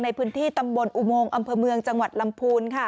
ในพื้นที่ตำบลอุโมงอำเภอเมืองจังหวัดลำพูนค่ะ